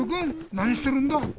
なにしてるんだ？